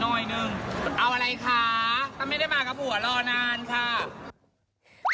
เอาอะไรคะก็ไม่ได้มากับหัวรอนานค่ะ